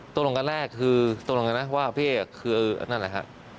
ตกลงกันแรกคือตกลงกันนะว่าพี่เอกคือนั่นแหละฮะ